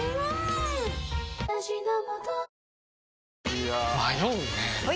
いや迷うねはい！